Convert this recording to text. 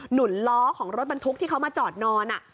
หนุนล้อของรถบรรทุกที่เขามาจอดนอน